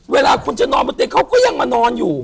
เวลาคุณจะนอนในก์เค้าก็ยังมานอนอยู่